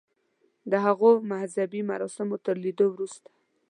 د هغوی مذهبي مراسم تر لیدو وروسته.